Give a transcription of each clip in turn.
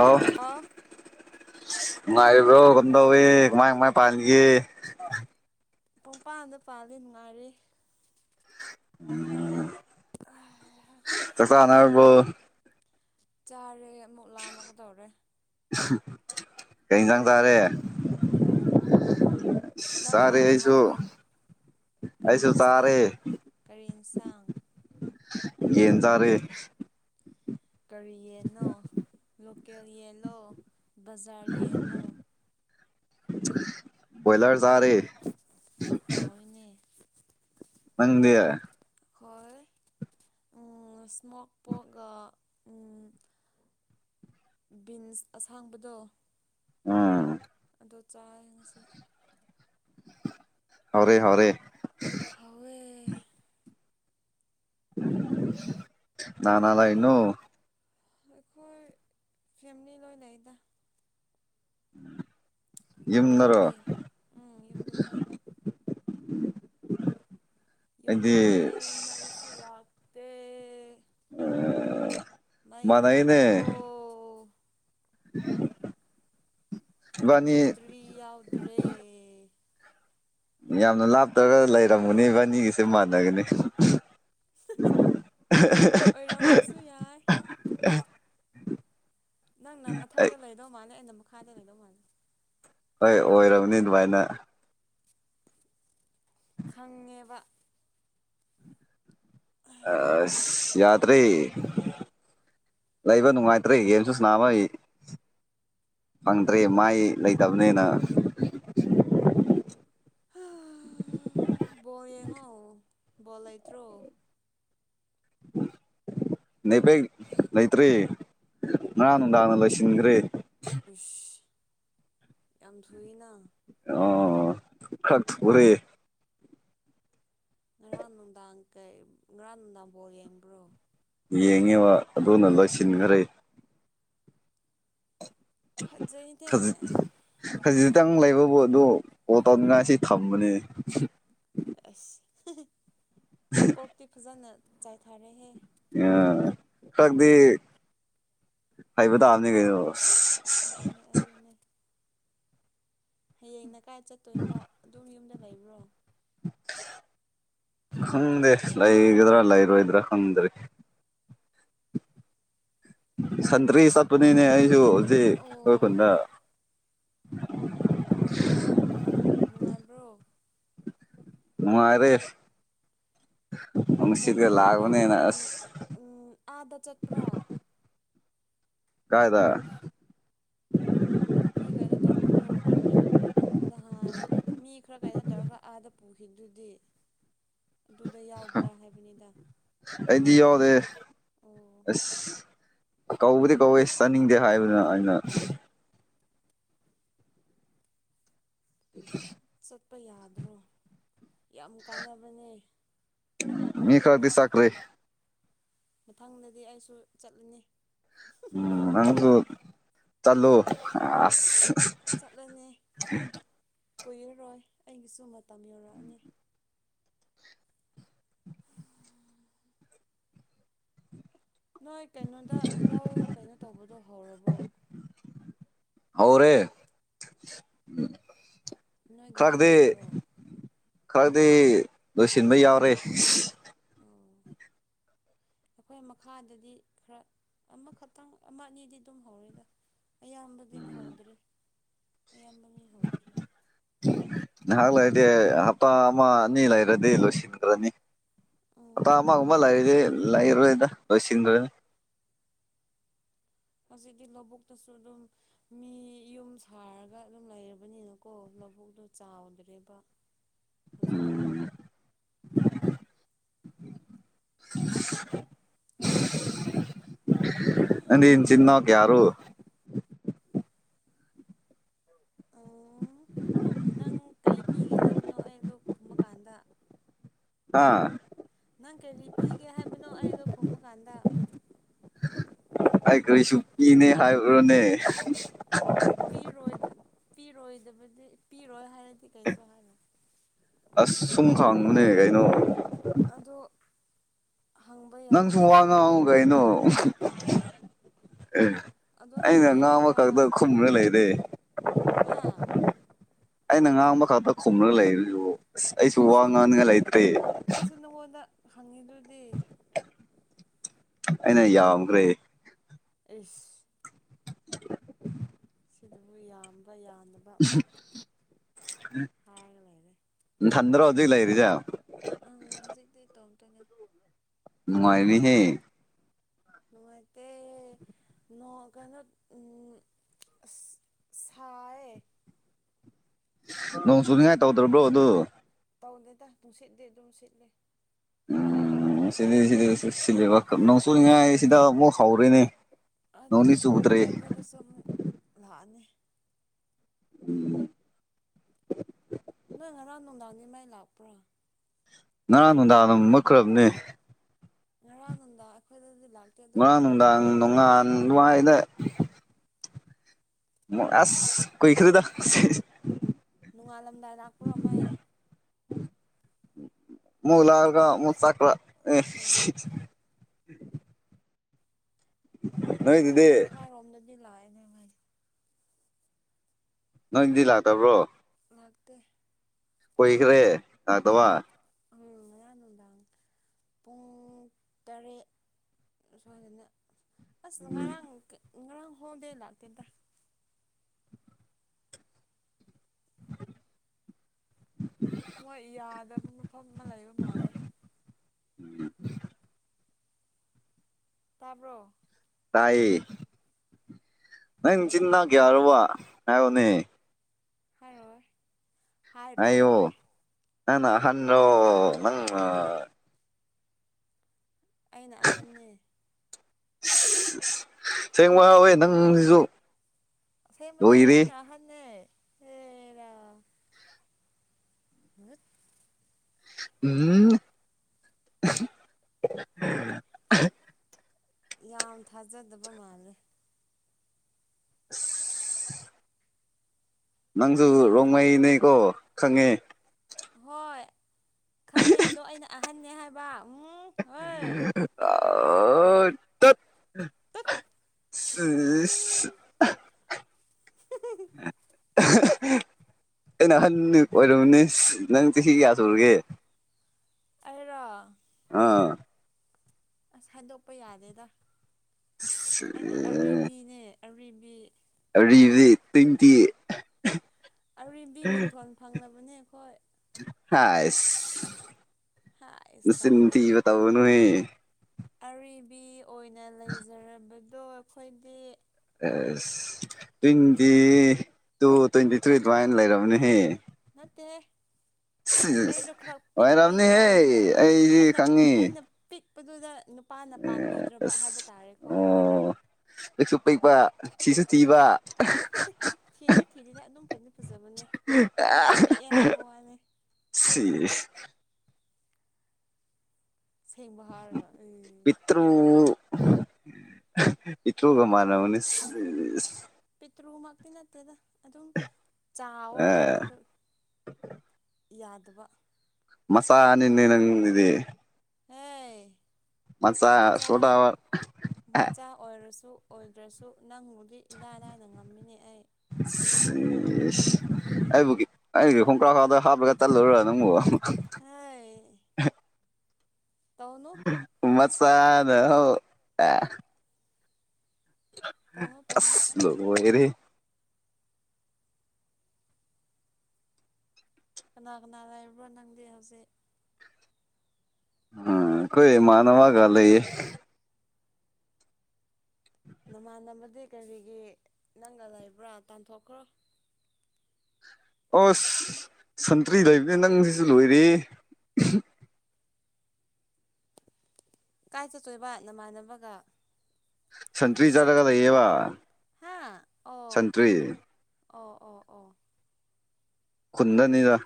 ꯑꯣ ꯑ ꯅꯨꯡꯉꯥꯏꯕ꯭ꯔꯣ ꯀꯝꯗꯧꯋꯦ ꯀꯃꯥꯏ ꯀꯃꯥꯏ ꯄꯥꯟꯒꯦ ꯄꯨꯡꯄꯥꯟꯗ ꯄꯥꯜꯂꯤ ꯅꯨꯡꯉꯥꯏꯔꯤ [unintelligible] ꯆꯛꯆꯥꯅꯔꯕꯣ ꯆꯥꯔꯦ ꯑꯃꯨꯛ ꯂꯥꯝꯃꯛꯀꯗꯧꯔꯦ [unintelligible] ꯀꯩ ꯍꯤꯟꯖꯥꯡ ꯆꯥꯔꯦ ꯅꯪ ꯆꯥꯔꯦ ꯍꯥꯟꯅ ꯑꯩꯁꯨ ꯍꯥꯏꯔꯣ ꯀꯔꯤ ꯑꯩꯁꯨ ꯏꯟꯁꯥꯡ ꯆꯥꯔꯦ ꯀꯔꯤ ꯏꯟꯁꯥꯡ ꯌꯦꯟ ꯆꯥꯔꯦ ꯀꯔꯤ ꯌꯦꯟꯅꯣ ꯂꯣꯀꯦꯜ ꯌꯦꯜꯂꯣ ꯕꯖꯥꯔ ꯌꯦꯜꯂꯣ ꯀꯣꯏꯂ꯭ꯔ ꯆꯥꯔꯦ ꯍꯥꯎꯋꯤꯅꯦ ꯅꯪꯗꯤ ꯎꯝ ꯏꯁꯃꯣꯛ ꯄꯣꯛꯀ ꯎꯝ ꯕꯤꯟꯁ ꯑꯁꯥꯡꯕꯗꯣ ꯑꯥ ꯑꯗꯨ ꯆꯥꯏ ꯉꯁꯤꯗꯤ ꯍꯥꯎꯔꯦ ꯍꯥꯎꯔꯦ ꯍꯥꯎꯋꯦ ꯅꯥ ꯅꯥ ꯂꯩꯅꯣ ꯑꯩꯈꯣꯏ ꯐꯦꯃꯤꯂꯤ ꯂꯣꯏ ꯂꯩꯗ ꯎꯝ ꯅꯪꯗꯤ ꯎꯝ ꯌꯨꯝꯗꯅꯦ [inaudible] ꯑꯩꯗꯤ ꯌꯨꯝꯗꯅꯦ ꯃꯩꯁꯨ ꯂꯥꯛ ꯃꯩ ꯃꯥꯟꯅꯩꯅꯦ ꯊꯥꯔꯛꯑꯣ [inaudible] ꯏꯕꯥꯅꯤ ꯕꯦꯇ꯭ꯔꯤ ꯌꯥꯎꯗ꯭ꯔꯦ ꯌꯥꯝꯅ ꯂꯥꯞꯇ꯭ꯔꯒ ꯂꯩꯔꯝꯃꯨꯅꯦ ꯏꯕꯥꯅꯤꯒꯤꯁꯦ ꯃꯥꯟꯅꯒꯅꯤ [unintelligible] ꯑꯣꯏꯔꯝꯕꯁꯨ ꯌꯥꯏ ꯅꯪꯅ ꯑꯩ ꯃꯊꯛꯇ ꯂꯩꯗꯧ ꯃꯥꯜꯂꯦ ꯑꯩꯅ ꯃꯈꯥꯗ ꯂꯩꯗꯧ ꯃꯥꯜꯂꯦ ꯍꯣꯏ ꯑꯣꯏꯔꯕꯅꯦ ꯑꯗꯨꯃꯥꯏꯅ ꯈꯪꯉꯦꯕ ꯑꯁ ꯌꯥꯗ꯭ꯔꯦ ꯂꯩꯕ ꯅꯨꯡꯉꯥꯏꯇ꯭ꯔꯦ ꯒꯦꯝꯁꯨ ꯁꯅꯥꯕꯒꯤ ꯐꯪꯗ꯭ꯔꯦ ꯃꯥꯏ ꯂꯩꯇꯕꯅꯤꯅ ꯕꯣꯜ ꯌꯦꯡꯉꯣ ꯕꯣꯜ ꯂꯩꯇ꯭ꯔꯣ [inaudible] ꯅꯦꯠꯄꯦꯛ ꯂꯩꯇ꯭ꯔꯦ ꯉꯔꯥꯡ ꯅꯨꯡꯗꯥꯡꯅ ꯂꯣꯏꯁꯤꯟꯒ꯭ꯔꯦ ꯏꯁ ꯌꯥꯝ ꯊꯨꯏꯅ ꯑꯣ ꯈꯔ ꯊꯨꯔꯦ ꯉꯔꯥꯡ ꯅꯨꯡꯗꯥꯡ ꯀꯩ ꯉꯔꯥꯡ ꯅꯨꯡꯗꯥꯡ ꯕꯣꯜ ꯌꯦꯡꯕ꯭ꯔꯣ ꯌꯦꯡꯉꯦꯕ ꯑꯗꯨꯅ ꯂꯣꯏꯁꯤꯟꯒ꯭ꯔꯦ ꯐꯖꯩꯅꯦ ꯈꯖꯤꯛ ꯈꯖꯤꯛ ꯇꯪ ꯂꯩꯕꯕꯨ ꯑꯗꯨ ꯀꯣꯜ ꯇꯧꯅꯤꯡꯉꯥꯏꯁꯦ ꯊꯝꯕꯅꯦꯪ ꯑꯁ [unintelligible] ꯀꯣꯛꯇꯤ ꯐꯖꯅ ꯆꯥꯏꯊꯥꯔꯦꯍꯦ ꯑꯥ ꯈꯪꯗꯦ ꯍꯩꯕ ꯇꯥꯕꯅꯦ ꯀꯩꯅꯣ [inaudible] ꯍꯌꯦꯡꯅ ꯀꯥꯏ ꯆꯠꯇꯣꯏꯅꯣ ꯑꯗꯨꯝ ꯌꯨꯝꯗ ꯂꯩꯕ꯭ꯔꯣ [unintelligible] ꯈꯪꯗꯦ ꯂꯩꯒꯗ꯭ꯔꯥ ꯂꯩꯔꯣꯏꯗ꯭ꯔꯥ ꯈꯪꯗ꯭ꯔꯤ ꯁꯟꯇ꯭ꯔꯤ ꯆꯠꯄꯅꯤꯅꯦ ꯑꯩꯁꯨ ꯍꯧꯖꯤꯛ ꯑꯩꯈꯣꯢ ꯑꯣ ꯈꯨꯟꯗ ꯅꯨꯡꯉꯥꯏꯕ꯭ꯔꯣ ꯅꯨꯉꯥꯢꯔꯦ ꯎꯝ ꯀꯩꯅꯣ ꯇꯧꯕ꯭ꯔꯥ ꯎꯝ ꯑꯁ ꯎꯝ ꯑꯥꯗ ꯆꯠꯄ꯭ꯔꯥ ꯀꯥꯏꯗ ꯅꯣꯏ ꯀꯩꯅꯣ ꯇꯧꯕꯗꯣ ꯅꯍꯥꯟ ꯃꯤ ꯈꯔ ꯀꯩꯅꯣ ꯇꯧꯔꯒ ꯑꯥꯗ ꯄꯨꯈꯤꯕꯗꯨꯗꯤ ꯑꯗꯨꯗ ꯌꯥꯎꯕ꯭ꯔꯥ ꯍꯥꯏꯕꯅꯤꯗ [unintelligible] ꯑꯣ ꯑꯁ ꯀꯧꯕꯗꯤ ꯀꯧꯋꯦ ꯆꯥꯅꯤꯡꯗꯦ ꯍꯥꯏꯕꯅꯦ ꯑꯩꯅ [unintelligible] [unintelligible] ꯌꯥꯝ ꯀꯥꯟꯅꯕꯅꯦ ꯃꯤ ꯈꯔꯗꯤ ꯆꯠꯈ꯭ꯔꯦ ꯃꯊꯪꯗꯗꯤ ꯑꯩꯁꯨ ꯆꯠꯂꯅꯤ ꯑꯥ ꯅꯪꯖꯨ ꯆꯠꯂꯣ ꯑꯁ ꯆꯠꯂꯅꯤ [unintelligible] ꯀꯨꯏꯔꯔꯣꯏ ꯑꯩꯒꯤꯁꯨ ꯃꯇꯝ ꯌꯧꯔꯛꯑꯅꯤ ꯅꯣꯏ ꯀꯩꯅꯣꯗ ꯂꯧ ꯀꯩꯅꯣ ꯇꯧꯕꯗꯣ ꯍꯧꯔꯕꯣ ꯍꯧꯔꯦ ꯅꯣꯏꯒꯤꯗꯤ ꯈꯔꯗꯤ ꯂꯩꯇ꯭ꯔꯣ ꯈꯔꯗꯤ ꯂꯣꯏꯁꯤꯟꯕ ꯌꯥꯎꯔꯦ ꯑꯣ [unintelligible] ꯑꯩꯈꯣꯏ ꯃꯈꯥꯗꯗꯤ ꯈꯔ ꯑꯃꯈꯛꯇꯪ ꯑꯃ ꯑꯅꯤꯗꯤ ꯑꯗꯨꯝ ꯍꯧꯔꯤꯗ ꯑꯌꯥꯝꯕꯗꯤ ꯍꯧꯗ꯭ꯔꯤ ꯑꯌꯥꯝꯕ ꯃꯤ ꯍꯧꯗ꯭ꯔꯤ [unintelligible] ꯉꯍꯥꯛ ꯂꯩꯔꯗꯤ ꯑꯩ ꯍꯥꯞꯇ ꯑꯃ ꯑꯅꯤ ꯂꯩꯔꯗꯤ ꯂꯣꯏꯁꯤꯟꯈ꯭ꯔꯅꯤ ꯍꯥꯞꯇ ꯎꯝ ꯑꯃ ꯑꯃ ꯂꯩꯔꯗꯤ ꯂꯩꯔꯣꯏꯗ ꯂꯣꯏꯁꯤꯟꯒ꯭ꯔꯅꯤ ꯍꯧꯖꯤꯛꯇꯤ ꯂꯧꯕꯨꯛꯇꯁꯨ ꯑꯗꯨꯝ ꯃꯤ ꯌꯨꯝ ꯁꯥꯔꯒ ꯑꯗꯨꯝ ꯂꯩꯔꯕꯅꯤꯅꯀꯣ ꯂꯕꯨꯛꯇꯣ ꯆꯥꯎꯗ꯭ꯔꯦꯕ ꯍꯧꯖꯤꯛ ꯀꯥꯟꯗꯤ [unintelligible] ꯅꯪꯗꯤ ꯅꯆꯤꯟ ꯅꯅꯥꯎ ꯀꯌꯥꯔꯣ [unintelligible] ꯅꯪ ꯀꯩ ꯄꯤꯒꯦ ꯍꯥꯏꯕꯅꯣ ꯑꯩ ꯑꯗꯨ ꯈꯨꯝꯃꯀꯥꯟꯗ ꯍꯥ ꯅꯪ ꯀꯔꯤ ꯄꯤꯒꯦ ꯍꯥꯏꯕꯅꯣ ꯑꯩ ꯑꯗꯨ ꯈꯨꯝꯕ ꯀꯥꯟꯗ ꯑꯩ ꯀꯔꯤꯁꯨ ꯄꯤꯅꯤ ꯍꯥꯏꯕꯔꯣꯅꯦ ꯄꯤꯔꯣꯏꯗ ꯄꯤꯔꯣꯏꯗꯕꯗꯤ ꯄꯤꯔꯣꯢ ꯍꯥꯏꯔꯗꯤ ꯀꯔꯤꯁꯨ ꯍꯥꯏꯔꯣꯢ ꯑꯁ ꯁꯨꯝ ꯈꯪꯕꯅꯦ ꯀꯩꯅꯣ ꯑꯗꯣ ꯍꯪꯕ ꯅꯪ ꯌꯥꯕ ꯁꯨ ꯋꯥ ꯋꯥꯔꯣ ꯉꯥꯡꯉꯣ ꯀꯩꯅꯣ ꯑꯦ ꯑꯗꯨ ꯍꯥꯏꯕ ꯑꯩꯅ ꯌꯥꯕ ꯉꯥꯡꯕ ꯋꯥꯔꯣ ꯈꯛꯇ ꯈꯨꯝꯔ ꯂꯩꯔꯦ ꯍꯥ ꯑꯩꯅ ꯉꯥꯡꯕ ꯈꯛꯇ ꯈꯨꯝꯂꯒ ꯂꯩꯕꯁꯤꯕꯣ ꯑꯁ ꯑꯩꯁꯨ ꯋꯥꯉꯥꯡꯅꯤꯡꯉꯥꯢ ꯂꯩꯇꯔꯦ ꯈꯪꯉꯤꯗꯨꯗꯤ ꯑꯩꯅ ꯌꯥꯝꯈ꯭ꯔꯦ ꯑꯁ [inaudible] ꯁꯤꯗꯨꯕꯨ ꯌꯥꯝꯕ ꯌꯥꯗꯕ ꯑꯃꯨꯛ ꯍꯥꯏꯔꯒ ꯂꯩꯔꯦ ꯑꯗꯨꯢ ꯂꯩꯔꯤꯖꯦ ꯇꯧꯇꯣꯢꯅꯦ ꯅꯨꯡꯉꯥꯏꯔꯤꯍꯦ ꯅꯨꯡꯉꯥꯢꯇꯦ ꯅꯣꯑ ꯀꯩꯅꯣ ꯎꯝ ꯑꯁ ꯁꯥꯏꯌꯦ ꯅꯣꯡ ꯁꯨꯅꯤꯡꯉꯥꯏ ꯇꯧꯗ꯭ꯔꯕ꯭ꯔꯣ ꯑꯗꯨ ꯇꯧꯂꯦꯗ ꯄꯨꯨꯡꯁꯤꯠꯂ ꯑꯗꯨꯝ ꯁꯤꯠꯂꯦ ꯎꯝ ꯁꯤꯗꯤ ꯁꯤꯕ ꯅꯣꯡ ꯆꯨꯅꯤꯡꯉꯥꯏ ꯁꯤꯗ ꯑꯃꯨꯛ ꯍꯧꯔꯦꯅꯦ ꯅꯣꯡꯗꯤ ꯑꯗꯨꯗꯤ ꯆꯨꯗ꯭ꯔꯦ ꯀꯨꯏꯔꯔꯣꯏ ꯑꯩꯈꯣꯏꯗꯁꯨ ꯑꯃꯨꯛ ꯂꯥꯛꯑꯅꯤ ꯎꯝ ꯅꯣꯏ ꯉꯔꯥꯡ ꯅꯨꯡꯗꯥꯡꯒꯤ ꯃꯥꯏ ꯂꯥꯛꯄ꯭ꯔꯥ ꯉꯔꯥꯡ ꯅꯨꯡꯗꯥꯡ ꯑꯗꯨꯝ ꯃꯨꯛꯈ꯭ꯔꯕꯅꯦ ꯉꯔꯥꯡ ꯅꯨꯟꯗꯥꯡ ꯑꯩꯈꯣꯏꯗꯗꯤ ꯂꯥꯛꯇꯦ ꯑꯗꯣ ꯉꯔꯥꯡ ꯅꯨꯡꯗꯥꯡ ꯅꯨꯡꯉꯥꯟ ꯑꯗ꯭ꯨꯋꯥꯏꯗ ꯑꯁ ꯀꯣꯏꯈꯔꯤꯗ ꯁꯤ ꯅꯣꯡꯉꯥꯜꯂꯝꯗꯥꯏ ꯂꯥꯛꯄ꯭ꯔꯣ ꯃꯩ [inaudible] ꯃꯨꯛ ꯂꯥꯛꯑꯒ ꯃꯨꯛ ꯆꯀ꯭ꯔ ꯑꯣ ꯁꯤ ꯃꯈꯥꯔꯣꯝꯗꯗꯤ ꯂꯥꯛꯑꯦꯅꯦ ꯅꯪꯗꯤ ꯂꯥꯛꯇꯕ꯭ꯔꯣ ꯂꯥꯛꯇꯦ ꯀꯨꯢꯈ꯭ꯔꯦ ꯂꯥꯛꯗꯕ ꯉꯔꯥꯡ ꯅꯨꯡꯗꯥꯡ ꯄꯨꯡ ꯇꯔꯦꯠ ꯑꯁ꯭ꯋꯥꯢꯅꯅ ꯑꯁ ꯉꯔꯥꯡ ꯉꯔꯥꯡ ꯍꯣꯜꯗꯦ ꯂꯥꯛꯇꯦꯗ ꯃꯣꯏ ꯌꯥꯗꯕ ꯃꯐꯝ ꯑꯃ ꯂꯩꯕ ꯃꯥꯜꯂꯦ [unintelligible] ꯇꯥꯕ꯭ꯔꯣ ꯑꯩ ꯅꯪ ꯅ ꯆꯤꯟ ꯅꯥꯎ ꯀ꯭ꯌꯥꯔꯨꯕ ꯍꯥꯏꯌꯣꯅꯦ ꯍꯥꯢꯔꯣꯢ ꯍꯥꯢꯌꯣ ꯅꯪꯅ ꯑꯍꯟꯔꯣ ꯅꯪ ꯅ ꯑꯩꯅ ꯑꯍꯟꯅꯦ ꯁꯦꯡꯕ ꯋꯥꯥꯎꯋꯦ ꯅꯪꯁꯤꯁꯨ ꯑꯁꯦꯡꯕꯅꯦ ꯑꯩꯅ ꯂꯣꯏꯔꯦ ꯑꯍꯟꯅꯅꯦ [unintelligible] ꯎꯝ [unintelligible] ꯌꯥꯝ ꯊꯥꯖꯗꯕ ꯃꯥꯜꯂꯦ [unintelligible] ꯅꯪꯖꯨ ꯑꯩꯅ ꯑꯍꯟꯅꯦ ꯔꯣꯡꯃꯩꯅꯦꯀꯣ ꯈꯪꯉꯦ ꯍꯣꯏ ꯈꯪꯉꯦ ꯑꯗꯣ ꯑꯩꯅ ꯑꯍꯟꯅꯦ ꯍꯥꯏꯕ ꯎꯝ ꯍꯣꯏ [unintelligible] ꯑꯥ ꯇꯠ ꯁꯤ [unintelligible] [unintelligible] ꯑꯩꯅ ꯑꯍꯟ ꯑꯣꯏꯔꯨꯕꯅꯤ ꯅꯪ ꯆꯍꯤ ꯀꯌꯥ ꯁꯨꯔꯒꯦ ꯑꯩꯔꯣ ꯑꯥ ꯑꯁ ꯍꯥꯏꯗꯣꯛꯄ ꯌꯥꯗꯦꯗ ꯑꯩꯗꯤ ꯑꯔꯤꯕꯤꯅꯦ ꯑꯔꯤꯕꯤ ꯔꯤꯕꯤ ꯇ꯭ꯋꯦꯟꯇꯤ ꯑꯔꯤꯕꯤ ꯃꯤꯡꯊꯣꯜ ꯐꯪꯂꯕꯅꯦ ꯑꯩꯈꯣꯏ ꯍꯥꯏꯁ ꯍꯥꯏꯁ ꯃꯆꯤꯟ ꯀꯥꯏꯅ ꯊꯤꯕ ꯇꯧꯒꯅꯨꯍꯦ ꯑꯔꯤꯕꯤ ꯑꯣꯏꯅ ꯂꯩꯖꯔꯕꯗꯣ ꯑꯩꯈꯣꯏꯗꯤ ꯑꯁ ꯇ꯭ꯋꯦꯟꯇꯤ ꯇꯨ ꯇ꯭ꯋꯦꯟꯇꯤ ꯊ꯭ꯔꯤ ꯑꯗꯨꯃꯥꯏꯅ ꯂꯩꯔꯕꯅꯦꯍꯦ ꯅꯠꯇꯦꯍꯦ ꯑꯩꯗꯣ [unintelligible] ꯈꯔ ꯄꯤꯛꯄꯒꯤ ꯑꯣꯏꯔꯝꯅꯤꯍꯦ ꯋꯥꯅꯦꯕ ꯑꯩꯗꯤ ꯈꯪꯏ ꯂꯤꯔꯛꯄꯗꯨꯗ ꯅꯨꯄꯥꯅ ꯄꯥꯝꯕꯤꯗ꯭ꯔꯕ ꯍꯥꯏꯕ ꯑꯁ ꯇꯥꯔꯦꯀꯣ ꯑꯣ ꯄꯤꯛꯁꯨ ꯄꯤꯛꯄ ꯊꯤꯁꯨ ꯊꯤꯕ [unintelligible] ꯊꯤꯗꯤ ꯊꯤꯗꯤꯗꯤ ꯑꯗꯨꯝ ꯐꯗꯤ ꯐꯖꯕꯅꯦ ꯈꯔ ꯄꯤꯛꯑꯦ ꯍꯥꯏꯕ ꯋꯥꯅꯤ ꯁꯤꯁ ꯁꯦꯡꯕ ꯍꯥꯔꯒ ꯎꯝ ꯄꯤꯛꯇ꯭ꯔꯨ [unintelligible] ꯄꯤꯛꯇ꯭ꯔꯨꯃꯛꯇꯤ ꯅꯠꯇꯦꯗ ꯑꯗꯨꯝ ꯆꯥꯑꯣ ꯑꯦ ꯍꯥꯏꯕꯗꯨ ꯌꯥꯗꯕ ꯃꯆꯥꯅꯤꯅꯦꯒꯤꯗꯤ ꯍꯦ ꯃꯆꯥ ꯁꯣꯇꯋꯥ ꯃꯆꯥ ꯑꯣꯏꯔꯁꯨ ꯑꯣꯏꯗ꯭ꯔꯁꯨ ꯅꯪꯕꯨꯗꯤ ꯏꯂꯥꯏ ꯂꯥꯏꯅ ꯉꯝꯃꯤꯅꯦ ꯑꯩ ꯫ [unintelligible] [unintelligible] ꯑꯩꯕꯨꯒꯤ ꯑꯩꯒꯤ ꯍꯣꯡꯀ꯭ꯔꯥ ꯈꯥꯎꯗ ꯍꯥꯞꯄꯒ ꯇꯠꯂꯨꯔ ꯅꯪꯕꯨ ꯍꯩ [unintelligible] ꯇꯧꯅꯨ [unintelligible] ꯇꯧꯅꯨ ꯇꯧꯅꯨ ꯑꯁ ꯂꯣꯏꯔꯦꯍꯦ ꯀꯅꯥ ꯀꯅꯥ ꯂꯩꯕ꯭ꯔꯣ ꯅꯪꯗꯤ ꯍꯧꯖꯤꯛ ꯑꯥ ꯑꯩꯈꯣꯏ ꯏꯃꯟꯅꯕꯒ ꯂꯩꯌꯦ ꯅꯃꯥꯟꯅꯕꯗꯤ ꯀꯔꯤꯒꯤ ꯅꯪꯒ ꯂꯩꯕ꯭ꯔꯥ ꯇꯥꯟꯊꯣꯛꯈ꯭ꯔꯣ ꯑꯁ ꯁꯟꯇ꯭ꯔꯤ ꯂꯩꯕꯅꯦ ꯅꯪ ꯁꯤꯁꯨ ꯂꯣꯏꯔ ꯀꯥꯏ ꯆꯠꯇꯣꯏꯕ ꯅꯃꯥꯟꯅꯕꯒ ꯁꯟꯇ꯭ꯔꯤ ꯆꯠꯂꯌꯦꯕ ꯍꯥ ꯑꯣ ꯁꯟꯇ꯭ꯔꯤ ꯑꯣ ꯑꯣ ꯑꯣ ꯈꯨꯟꯗꯅꯤꯗ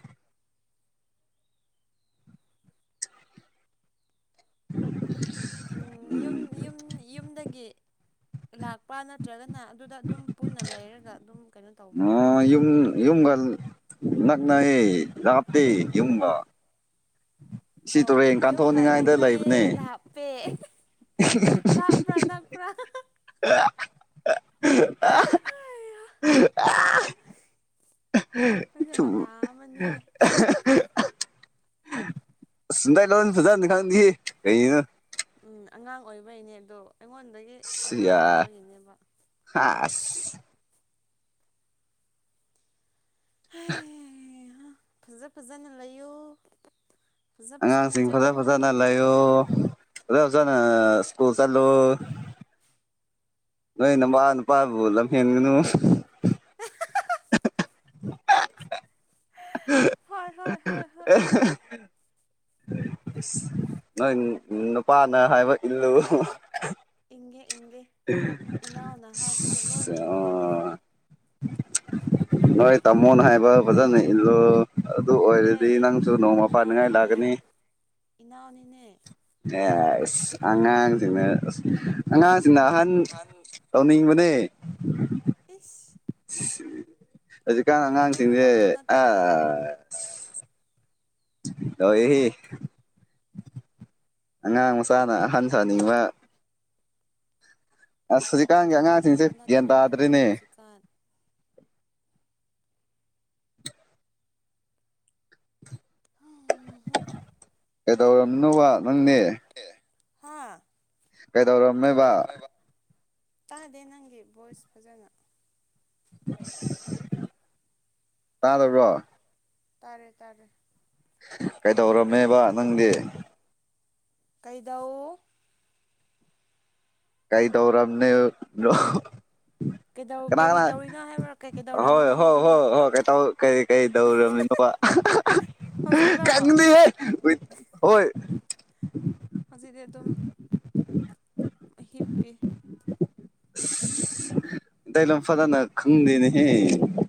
[unintelligible] ꯂꯥꯛꯄ ꯅꯠꯇ꯭ꯔꯒꯅ ꯑꯗꯨꯗ ꯑꯗꯨꯝ ꯄꯨꯟꯅ ꯂꯩꯔꯒ ꯑꯗꯨꯝ ꯀꯩꯅꯣ ꯑ ꯇꯧꯕ꯭ꯔꯥ ꯥꯌꯨꯝ ꯌꯨꯝꯒ ꯅꯛꯅꯩ ꯂꯞꯇꯦ ꯑꯣ ꯌꯨꯝꯒ ꯁꯤ ꯑꯣ ꯇꯨꯔꯦꯟ ꯌꯨꯝꯒ ꯀꯥꯟꯊꯣꯛꯅꯤꯡꯉꯥꯏꯗ ꯅꯛꯅꯩꯌꯦ ꯂꯩꯕꯅꯦ ꯂꯞꯄꯦ ꯂꯥꯞꯄꯔꯥ ꯅꯛꯄꯔꯥ [unintelligible] ꯑꯁ ꯃꯇꯥ ꯑꯃꯅꯤꯍꯦ [unintelligible] ꯎꯝ ꯑꯉꯥꯡ ꯑꯣꯏꯕꯩꯅꯦ ꯑꯗꯣ ꯑꯩꯉꯣꯟꯗꯒꯤ ꯑꯉꯥꯡ ꯌꯥ ꯑꯣꯏꯕꯒꯤꯅꯦꯕ [inaudible] [inaudible] ꯍꯩꯍꯥ ꯐꯖ ꯐꯖꯅ ꯂꯩꯌꯨ ꯐꯖ ꯐꯖꯅ ꯑꯉꯥꯡꯁꯤꯡ ꯐꯖꯥ ꯆꯠꯂꯨ ꯐꯖꯥꯟꯅ ꯂꯩꯌꯣ [unintelligible] ꯁꯀꯨꯜ ꯆꯠꯂꯨ ꯅꯣꯏ ꯅꯨꯃꯥ ꯅꯨꯄꯥꯕꯨ ꯂꯝꯍꯦꯟꯒꯅꯨ [inaudible] ꯍꯣꯏ ꯍꯣꯏ ꯍꯣꯏ ꯍ ꯅꯣꯏ ꯅꯨꯄꯥꯅ ꯍꯥꯏꯕ ꯏꯜꯂꯨ ꯏꯟꯒꯦ ꯏꯟꯒꯦ ꯏꯅꯥꯎꯅ ꯍꯥꯏꯕꯗꯨ ꯂꯣꯏ ꯏꯟꯒꯦ ꯅꯣꯏ ꯇꯥꯃꯣꯅ ꯍꯥꯏꯕ ꯐꯖꯟꯅ ꯏꯜꯂꯨ ꯑꯗꯨ ꯑꯣꯏꯔꯗꯤ ꯍꯦ ꯅꯪꯁꯨ ꯅꯣꯡꯃ ꯄꯥꯟꯅꯤꯉꯥꯏ ꯂꯥꯛꯀꯅꯤ ꯏꯅꯥꯎꯅꯤꯅꯦ ꯏꯅꯥꯎꯅꯤꯅꯦ ꯑꯦꯁ ꯑꯉꯥꯡꯁꯤꯡꯅ ꯑꯉꯥꯡ ꯁꯤꯅꯍꯟ ꯇꯧꯅꯤꯡꯕꯅꯦ ꯏꯁ ꯍꯧꯖꯤꯛꯀꯥꯟ ꯑꯗꯨ ꯑꯉꯥꯡꯁꯤꯡꯁꯦ ꯃꯇꯝꯗꯣ ꯅꯠꯇ꯭ꯔꯦ ꯑꯁ ꯇꯧꯋꯦꯍꯦ ꯑꯉꯥꯡ ꯃꯆꯥꯅ ꯑꯍꯟ ꯁꯥꯅꯤꯡꯕ ꯑꯁ ꯍꯧꯖꯤꯛꯀꯥꯟꯒꯤ ꯑꯗꯨꯏ ꯑꯉꯥꯡꯁꯤꯡꯁꯦ ꯃꯇꯝꯗꯣ ꯒ꯭ꯌꯥꯟ ꯅꯠꯇ꯭ꯔꯤꯅꯦꯍꯦ ꯇꯥꯗ꯭ꯔꯤꯅꯦ ꯍꯧꯖꯤꯛꯀꯥꯟ [unintelligible] ꯀꯩꯗꯧꯔꯝꯅꯣꯕ ꯅꯪꯗꯤ ꯍꯥꯥ ꯀꯩꯗꯧꯔꯝꯃꯦꯕ ꯇꯥꯗꯦ ꯅꯪꯒꯤ ꯚꯣꯏꯁ ꯐꯖꯟꯅ ꯇꯥꯗꯕ꯭ꯔꯣ ꯇꯥꯔꯦ ꯇꯥꯔꯦ ꯀꯩꯗꯧ ꯀꯩꯗꯧꯔꯝꯃꯦꯕ ꯅꯪꯗꯤ ꯀꯩꯗꯧ ꯀꯧꯇꯧꯔꯝꯅꯦꯅꯣ ꯀꯩꯗꯧ ꯀꯔꯤ ꯇꯧꯔꯤꯅꯣ ꯍꯥꯏꯕ꯭ꯔ ꯍꯣꯏ ꯍꯣ ꯍꯣ ꯍꯣ ꯀꯩꯇꯧ ꯀꯩ ꯀꯩꯗꯧꯔꯝꯃꯤꯅꯣꯕ ꯍꯧꯖꯤꯛꯂꯣ ꯀꯪꯗꯦꯍꯦ ꯍꯨꯢ ꯍꯣꯏ ꯍꯧꯖꯤꯛꯗꯤ ꯑꯗꯨꯝ ꯍꯤꯞꯄꯤ ꯇꯥꯏ ꯂꯝ ꯐꯖꯟꯅ ꯈꯪꯗꯦꯅꯦꯍꯦ